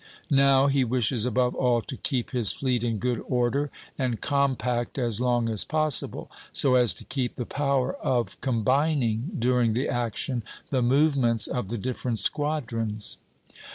Now he wishes above all to keep his fleet in good order and compact as long as possible, so as to keep the power of combining, during the action, the movements of the different squadrons.